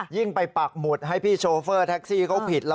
ยิ่งไปปักหมุดให้พี่โชเฟอร์แท็กซี่เขาผิดแล้ว